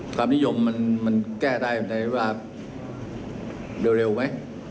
ความนิยมมันแก้ได้ในเวลาเร็วไหม